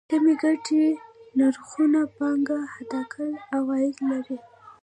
کمې ګټې نرخونو پانګه حداقل عواید لري.